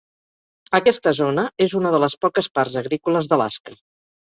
Aquesta zona és una de les poques parts agrícoles d'Alaska.